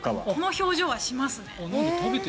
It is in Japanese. この表情はしますね。